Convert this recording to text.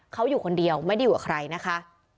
เขาอยู่คนเดียวไม่ได้อยู่กับใครนะคะ